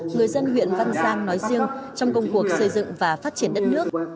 người dân huyện văn giang nói riêng trong công cuộc xây dựng và phát triển đất nước